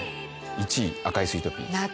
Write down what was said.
１位『赤いスイートピー』です。